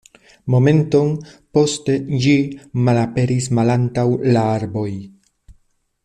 Momenton poste ĝi malaperis malantaŭ la arboj.